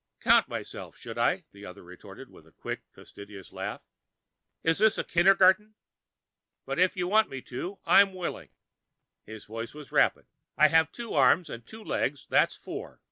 "Count myself, should I?" the other retorted with a quick facetious laugh. "Is this a kindergarten? But if you want me to, I'm willing." His voice was rapid. "I've two arms, and two legs, that's four.